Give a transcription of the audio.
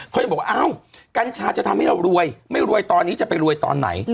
เขาจะบอกว่าอ้าวกัญชาจะทำให้เรารวยไม่รวยตอนนี้จะไปรวยตอนไหน